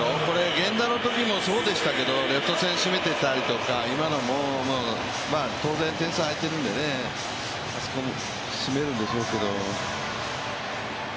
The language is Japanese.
源田のときもそうでしたけど、レフト線しめていたりとか、今のも当然点差は開いているので、あそこを締めるんでしょうけど。